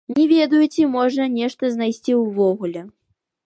Не ведаю, ці можна нешта знайсці ўвогуле.